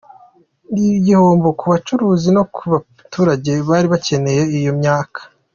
Ni igihombo ku bacuruzi, no ku baturage bari bakeneye iyo myaka.